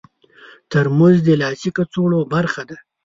ترموز د لاسي کڅوړې برخه ده.